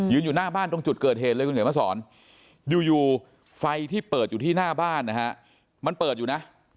อยู่หน้าบ้านตรงจุดเกิดเหตุเลยคุณเขียนมาสอนอยู่ไฟที่เปิดอยู่ที่หน้าบ้านนะฮะมันเปิดอยู่นะ